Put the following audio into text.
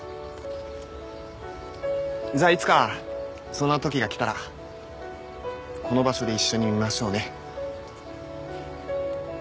じゃあいつかそんなときが来たらこの場所で一緒に見ましょうね。